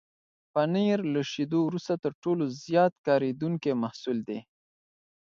پنېر له شيدو وروسته تر ټولو زیات کارېدونکی محصول دی.